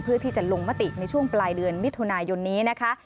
เพื่อที่จะลงมติในช่วงปลายเดือนมิถุนายนนี้นะคะ